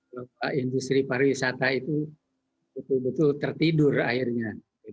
bahwa industri pariwisata itu betul betul tertidur akhirnya